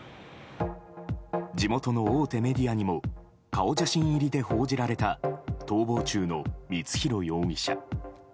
地元の大手メディアにも顔写真入りで報じられた逃亡中の光弘容疑者。